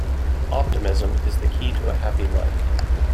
Optimism is the key to a happy life.